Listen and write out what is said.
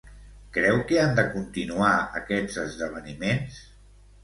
Creu que han de continuar aquests esdeveniments?